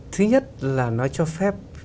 thứ nhất là nó cho phép